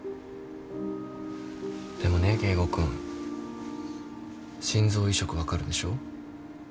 でもね圭吾君心臓移植分かるでしょ？